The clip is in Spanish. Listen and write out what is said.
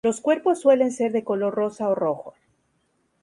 Los cuerpos suelen ser de color rosa o rojo.